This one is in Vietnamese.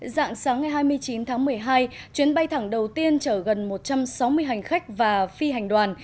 dạng sáng ngày hai mươi chín tháng một mươi hai chuyến bay thẳng đầu tiên chở gần một trăm sáu mươi hành khách và phi hành đoàn